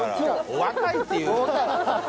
「お若い」っていう年でも。